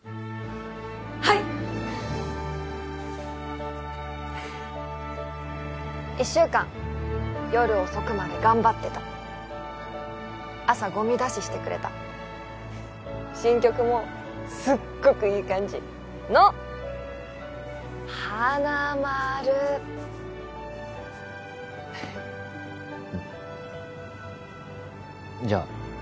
はい１週間夜遅くまで頑張ってた朝ゴミ出ししてくれた新曲もすっごくいい感じの花丸じゃあ